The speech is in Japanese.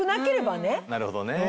なるほどね。